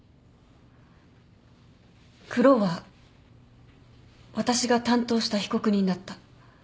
クロウは私が担当した被告人だった。